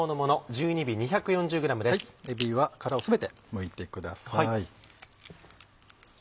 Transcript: えびは殻を全てむいてください。